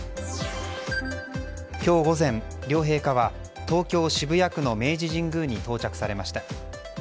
今日午前、両陛下は東京・渋谷区の明治神宮に到着されました。